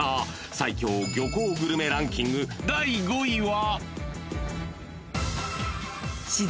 ［最強漁港グルメランキング第５位は］